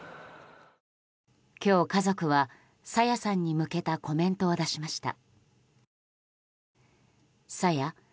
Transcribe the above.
今日、家族は朝芽さんに向けたコメントを出しました。